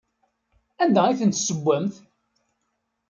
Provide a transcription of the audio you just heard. Anda ay ten-tessewwemt?